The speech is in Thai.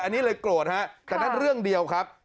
อันนี้เลยโกรธฮะแต่นั่นเรื่องเดียวครับ